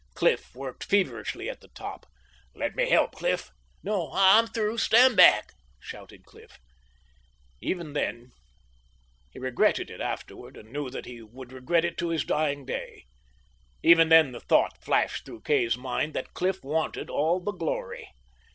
Cliff worked feverishly at the top. "Let me help. Cliff!" "No! I'm through! Stand back!" shouted Cliff. Even then he regretted it afterward, and knew that he would regret it to his dying day even then the thought flashed through Kay's mind that Cliff wanted all the glory.